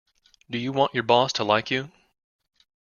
Do you want your boss to like you?